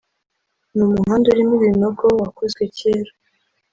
Ni umuhanda urimo ibinogo wakozwe cyera